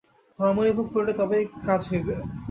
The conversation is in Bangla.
ধর্ম অনুভব করিলে তবেই কাজ হইবে।